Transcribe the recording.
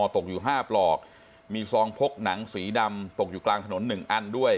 ตกอยู่๕ปลอกมีซองพกหนังสีดำตกอยู่กลางถนน๑อันด้วย